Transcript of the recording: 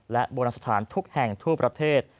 และโบราณสถานทุกแห่งทั่วประเทศ